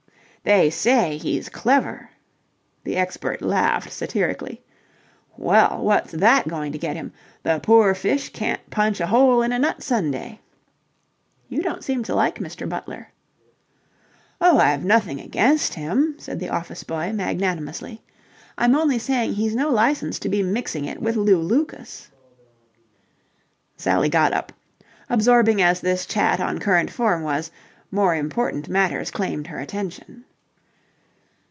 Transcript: "They say he's clever." The expert laughed satirically. "Well, what's that going to get him? The poor fish can't punch a hole in a nut sundae." "You don't seem to like Mr. Butler." "Oh, I've nothing against him," said the office boy magnanimously. "I'm only saying he's no licence to be mixing it with Lew Lucas." Sally got up. Absorbing as this chat on current form was, more important matters claimed her attention.